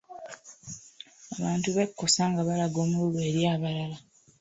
Abantu bekusa nga balaga omululu eri abalala.